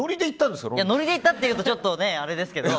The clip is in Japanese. ノリで行ったというとちょっとあれですけど。